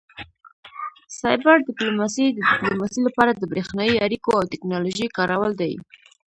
سایبر ډیپلوماسي د ډیپلوماسي لپاره د بریښنایي اړیکو او ټیکنالوژۍ کارول دي